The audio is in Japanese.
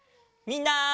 みんな。